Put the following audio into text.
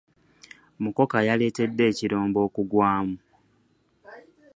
Mukoka yaletedde ekirombe okugwamu.